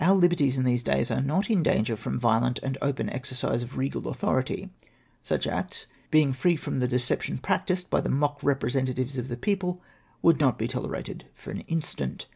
Om liberties in these days are not in danger from violent and open exercise of regal authority ; such acts, being free from the deception practised by the mock representatives of the people, would not be tolerated for an instant.